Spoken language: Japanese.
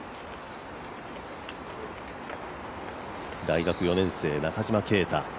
大学４年生・中島啓太。